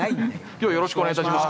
今日はよろしくお願いいたします。